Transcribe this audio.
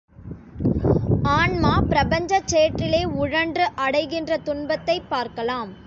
ஆன்மா பிரபஞ்சச் சேற்றிலே உழன்று அடைகின்ற துன்பத்தைப் பார்க்கலாம்.